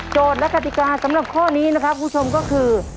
และกติกาสำหรับข้อนี้นะครับคุณผู้ชมก็คือ